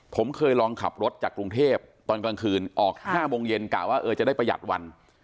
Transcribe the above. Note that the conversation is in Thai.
ผมเคยลองขับรถจากกรุงเทพตอนกลางคืนออก๕โมงเย็นกะว่าจะได้ประหยัดวัน